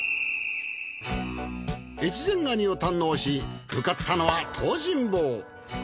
越前ガニを堪能し向かったのは東尋坊。